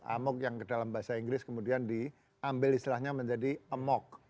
amok yang dalam bahasa inggris kemudian diambil istilahnya menjadi amok